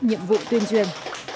nhiệm vụ tuyên truyền